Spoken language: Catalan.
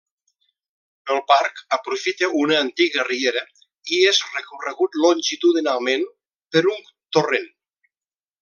El parc aprofita una antiga riera i és recorregut longitudinalment per un torrent.